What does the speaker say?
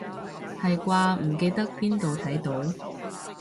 係啩，唔記得邊度睇到